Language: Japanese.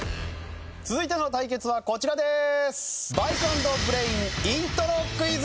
続いての対決はこちらです！